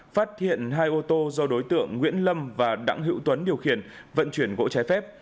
phát hiện hai ô tô do đối tượng nguyễn lâm và đặng hữu tuấn điều khiển vận chuyển gỗ trái phép